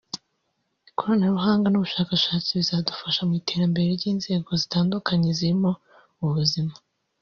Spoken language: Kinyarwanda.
ikoranabuhanga n’ubushakashatsi bizadufasha mu iterambere ry’inzego zitandukanye zirimo ubuzima